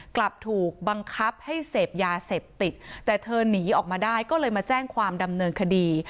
กลับถูกบังคับให้เสพยาเสพติดแต่เธอหนีออกมาได้ก็เลยมาแจ้งความดำเนินคดี